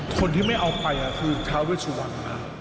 คนที่ไม่เอาไปคือเท้าเวชวันนะ